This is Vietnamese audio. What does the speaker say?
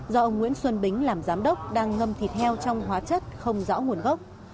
do ông nguyễn xuân bính làm giám đốc đang ngâm thịt heo trong hóa chất không rõ nguồn gốc